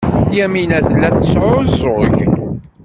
Yamina tella tesɛuẓẓug.